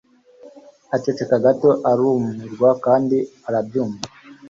Aceceka gato arumirwa kandi arabyumva